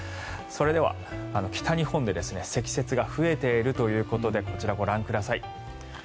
それでは北日本で積雪が増えているということでこちらご覧ください。